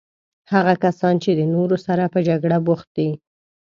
هغه کسان چې د نورو سره په جګړه بوخت دي.